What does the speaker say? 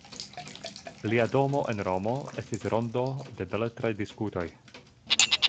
Lia domo en Romo estis rondo da beletraj diskutoj.